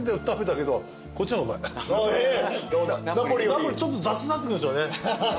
ナポリちょっと雑になってくるんですよね。